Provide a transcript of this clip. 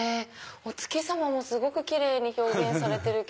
お月様もすごくキレイに表現されてる。